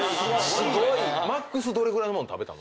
マックスどれぐらいのもん食べた？